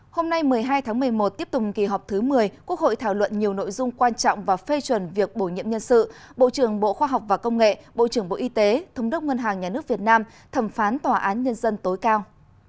hôm nay một mươi hai tháng một mươi một tiếp tục kỳ họp thứ một mươi quốc hội thảo luận nhiều nội dung quan trọng và phê chuẩn việc bổ nhiệm nhân sự bộ trưởng bộ khoa học và công nghệ bộ trưởng bộ y tế thống đốc ngân hàng nhà nước việt nam thẩm phán tòa án nhân dân tối cao